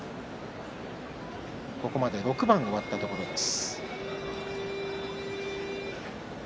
ここまで６番終わったところです。